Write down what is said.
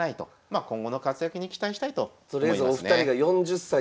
今後の活躍に期待したいと思いますね。